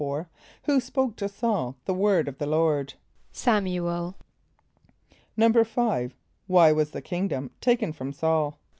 = Who spoke to S[a:]ul the word of the Lord? =S[)a]m´u el.= =5.= Why was the kingdom taken from S[a:]ul?